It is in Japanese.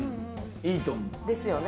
いいと思う。ですよね。